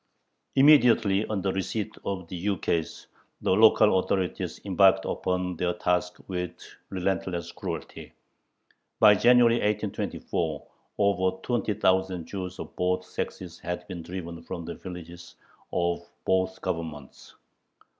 Immediately on the receipt of the ukase the local authorities embarked upon their task with relentless cruelty. By January, 1824, over twenty thousand Jews of both sexes had been driven from the villages of both Governments.